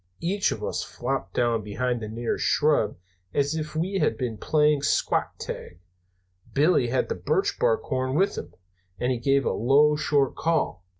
"Each of us flopped down behind the nearest shrub as if we had been playing squat tag. Billy had the birch bark horn with him, and he gave a low, short call.